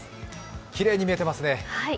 きれいに見えてますね。